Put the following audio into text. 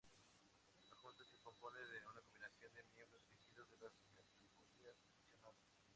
La junta se compone de una combinación de miembros elegidos de las categorías mencionadas.